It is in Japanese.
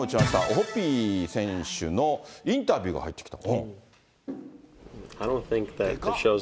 オホッピー選手のインタビューが入ってきた。